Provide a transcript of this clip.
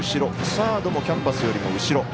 サードもキャンバスよりも後ろ。